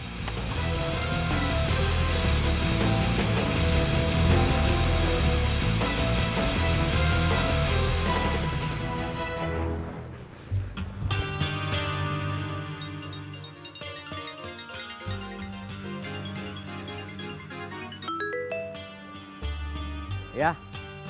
kisah bisa agar bener